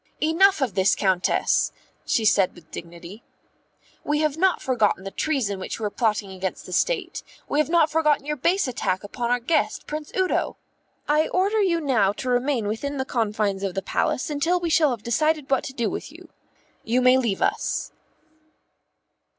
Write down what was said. "Enough of this, Countess," she said with dignity. "We have not forgotten the treason which you were plotting against the State; we have not forgotten your base attack upon our guest, Prince Udo. I order you now to remain within the confines of the Palace until we shall have decided what to do with you. You may leave us."